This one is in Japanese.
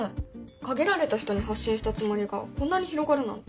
限られた人に発信したつもりがこんなに広がるなんて。